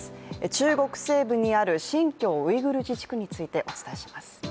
中国西部にある新疆ウイグル自治区についてお伝えします。